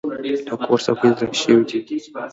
د کور څوکۍ زاړه شوي دي.